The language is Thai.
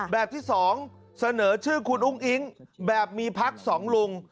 แบบที่๒เสนอชื่อคุณอุ้งอิ๊งแบบมีพักสองลุง